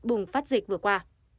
bùng phát dịch vừa qua